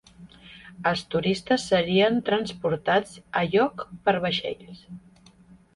Els turistes serien transportats a lloc per vaixells.